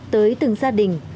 tới từng gia đình